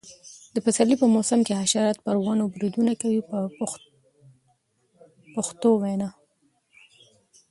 د پسرلي په موسم کې حشرات پر ونو بریدونه کوي په پښتو وینا.